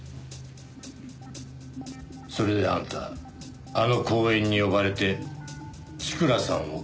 それであんたあの公園に呼ばれて千倉さんを殺したんだな？